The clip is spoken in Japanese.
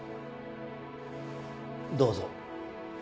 どうぞ。